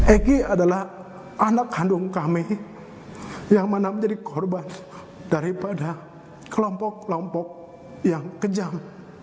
egy adalah anak kandung kami yang mana menjadi korban daripada kelompok kelompok yang kejam